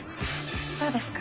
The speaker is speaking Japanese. そうですか。